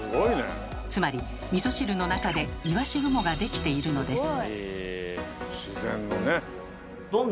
つまりみそ汁の中でいわし雲が出来ているのです。